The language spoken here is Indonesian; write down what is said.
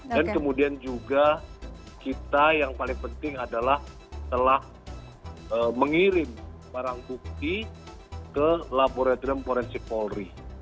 dan kemudian juga kita yang paling penting adalah telah mengirim barang bukti ke laboratorium forensik polri